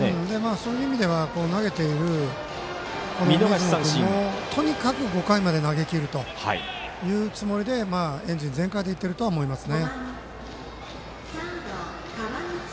そういう意味では投げている水野君もとにかく５回まで投げきるというつもりでエンジン全開で行っているとは思いますね。